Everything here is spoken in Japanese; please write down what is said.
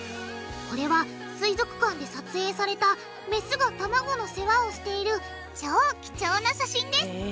これは水族館で撮影されたメスが卵の世話をしている超貴重な写真です